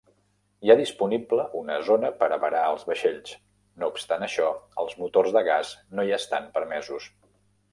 Hi ha disponible una zona per avarar els vaixells, no obstant això, els motors de gas no hi estan permesos.